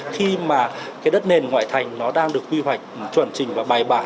khi mà cái đất nền ngoại thành nó đang được quy hoạch chuẩn trình và bài bản